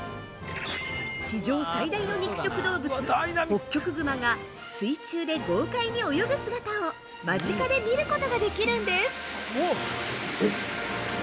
地上最大の肉食動物ホッキョクグマが水中で豪快に泳ぐ姿を間近で見ることができるんです。